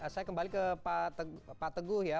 saya kembali ke pak teguh ya